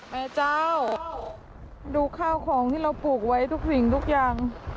แม่เจ้าดูข้าวของที่เราปลูกไว้ทุกสิ่งทุกอย่าง